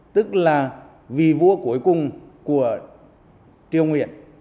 tức là vì vua cuối cùng của triều nguyện